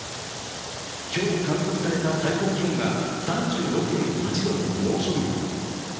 今日、観測された最高気温が３６．８度の猛暑日に。